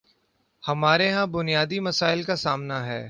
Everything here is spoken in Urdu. ہمارے ہاں بنیادی مسائل کا سامنا ہے۔